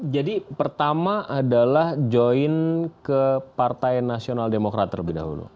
pertama adalah join ke partai nasional demokrat terlebih dahulu